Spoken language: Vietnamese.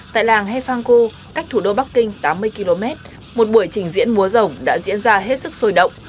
tại làng hefangku cách thủ đô bắc kinh tám mươi km một buổi trình diễn múa rồng đã diễn ra hết sức sôi động